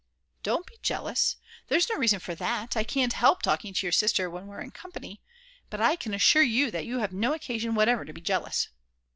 "Don't be jealous! There's no reason for that. I can't help talking to your sister when we're in company; but I can assure you that you have no occasion whatever to be jealous."